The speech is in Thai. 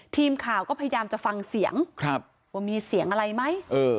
ทีมข่าวก็พยายามจะฟังเสียงว่ามีเสียงอะไรไหม